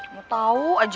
mau tau aja